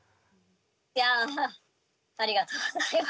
いやぁありがとうございます。